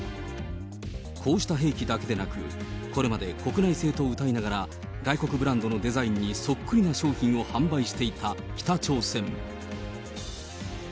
こうした兵器だけでなく、これまで国内製とうたいながら、外国ブランドのデザインにそっくりな商品を販売していた北朝鮮。